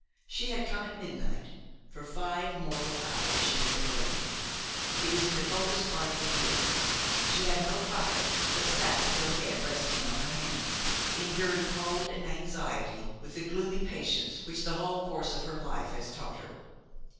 She had come at midnight; for five mortal hours she had been waiting! It was in the coldest part of the year; she had no fire, but sat with her head resting on her hand, enduring cold and anxiety with the gloomy patience which the whole course of her life has taught her.